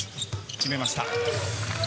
決めました。